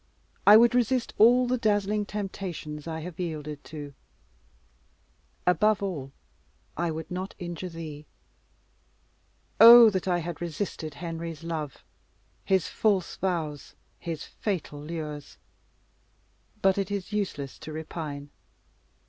I would resist all the dazzling temptations I have yielded to above all, I would not injure thee. Oh! that I had resisted Henry's love his false vows his fatal lures! But it is useless to repine.